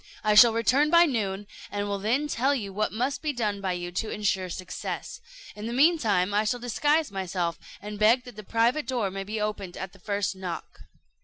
I shall return by noon, and will then tell you what must be done by you to insure success. In the mean time, I shall disguise myself, and beg that the private door may be opened at the first knock."